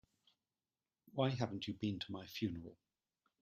Why haven't you been to my funeral?